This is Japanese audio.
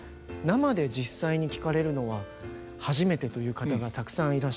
生で実際に聴かれるのは初めてという方がたくさんいらっしゃって。